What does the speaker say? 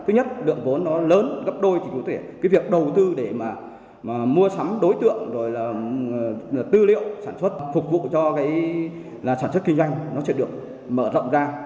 thứ nhất lượng vốn nó lớn gấp đôi thì có thể cái việc đầu tư để mà mua sắm đối tượng rồi là tư liệu sản xuất phục vụ cho cái sản xuất kinh doanh nó sẽ được mở rộng ra